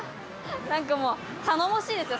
何かもう頼もしいですよ